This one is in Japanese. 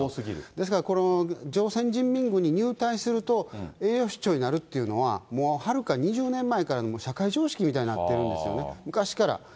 ですからこの朝鮮人民軍に入隊すると、栄養失調になるというのは、もうはるか２０年前からの社会常識みたいになってるんですよ、昔から。